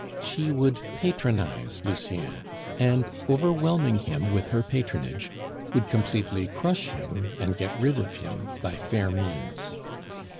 She would patronize Lucien, and overwhelming him with her patronage, would completely crush him and get rid of him by fair means.